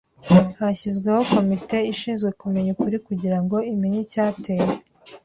Hashyizweho komite ishinzwe kumenya ukuri kugira ngo imenye icyateye.